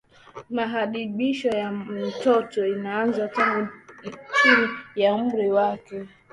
Mahadibisho ya mtoto inaanzia tangu chini ya umri wake